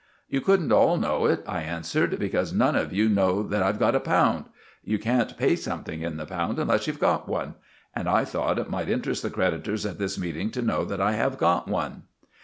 "You couldn't all know it," I answered, "because none of you knew that I'd got a pound. You can't pay something in the pound unless you've got one. And I thought it might interest the creditors at this meeting to know that I have got one."